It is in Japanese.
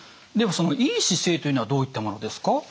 ではその良い姿勢というのはどういったものですか？